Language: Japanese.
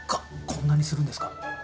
こんなにするんですか？